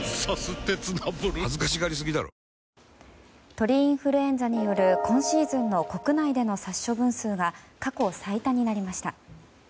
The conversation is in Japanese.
鳥インフルエンザによる今シーズンの国内での殺処分数が過去最多になりました。